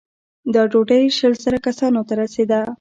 دا ډوډۍ شل زره کسانو ته رسېده.